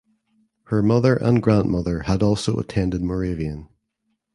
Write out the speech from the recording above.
Her mother and grandmother had also attended Moravian.